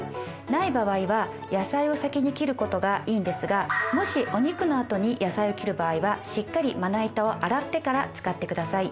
ない場合は野菜を先に切ることがいいんですがもしお肉のあとに野菜を切る場合はしっかりまな板を洗ってから使ってください。